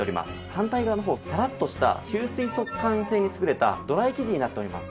反対側の方サラッとした吸水速乾性に優れたドライ生地になっております。